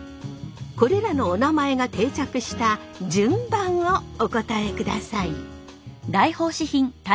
これらのおなまえが定着した順番をお答えください。